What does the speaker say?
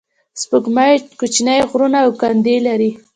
سپوږمۍ کوچنۍ غرونه او کندې لري